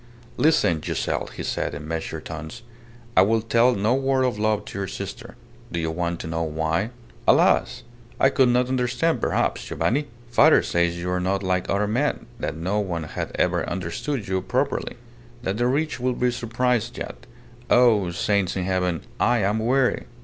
"Listen, Giselle," he said, in measured tones; "I will tell no word of love to your sister. Do you want to know why?" "Alas! I could not understand perhaps, Giovanni. Father says you are not like other men; that no one had ever understood you properly; that the rich will be surprised yet. ... Oh! saints in heaven! I am weary."